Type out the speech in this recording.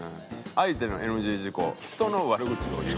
「相手のＮＧ事項人の悪口を言う」